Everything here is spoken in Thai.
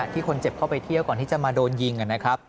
ที่คนเจ็บเข้าไปเที่ยวก่อนที่จะมาโดนยิงนะครับ